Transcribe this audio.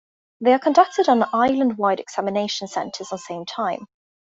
They are conducted on an island-wide examination centres on same time.